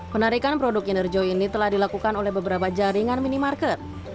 penarikan produk kinerja ini telah dilakukan oleh beberapa jaringan minimarket